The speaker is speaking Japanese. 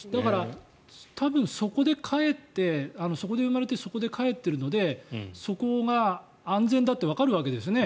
多分、そこでかえってそこで生まれてそこでかえっているのでそこが安全だとわかるわけですね。